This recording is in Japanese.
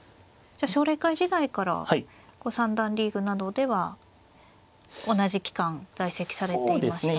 奨励会時代から三段リーグなどでは同じ期間在籍されていましたか。